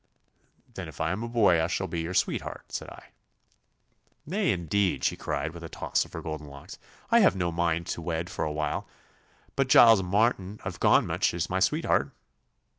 'Then if I am a boy I shall be your sweetheart,' said I. 'Nay, indeed!' she cried, with a toss of her golden locks. 'I have no mind to wed for a while, but Giles Martin of Gommatch is my sweetheart.